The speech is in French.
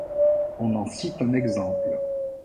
On en cite un exemple.